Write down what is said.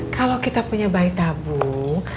kalau kita punya bayi tabung